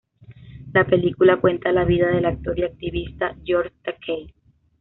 La película cuenta la vida del actor y activista George Takei.